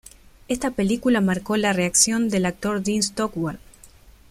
Esta película marcó la reaparición del actor Dean Stockwell.